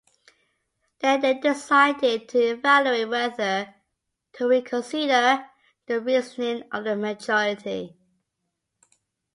They then decided to evaluate whether to reconsider the reasoning of the majority.